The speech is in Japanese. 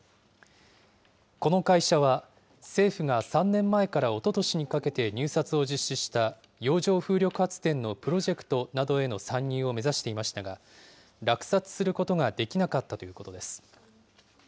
この会社は、政府が３年前からおととしにかけて入札を実施した洋上風力発電のプロジェクトなどへの参入を目指していましたが、落札することができなかったということです。